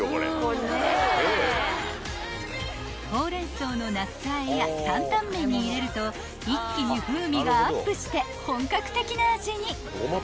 ［ほうれん草のナッツ和えや坦々麺に入れると一気に風味がアップして本格的な味に］